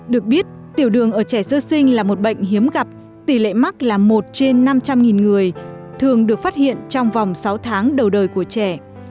được biết tiểu đường ở trẻ sơ sinh là một bệnh hiếm gặp tỷ lệ mắc là một trên năm trăm linh người thường được phát hiện trong vòng sáu tháng đầu đời của trẻ